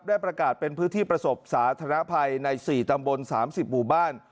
ได้ประกาศเป็นพื้นที่ประสบสาธารณภัยใน๔ตำบล๓๐หมู่บ้าน